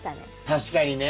確かにね。